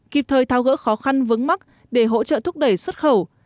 kịp thời thao gỡ khó khăn vấn mắc để hỗ trợ thúc đẩy xuất khẩu